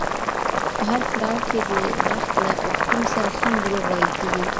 په هر پړاو کي د وخت له غوښتنو سره سم دروغ ویل کیږي.